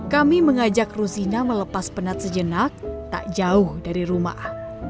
kami mengajak ruzina melepas penat sejenak tak jauh dari rumah